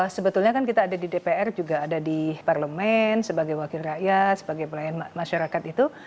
sebetulnya kan kita ada di dpr juga ada di parlemen sebagai wakil rakyat sebagai pelayan masyarakat itu